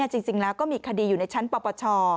จริงแล้วก็มีคดีอยู่ในชั้นปปช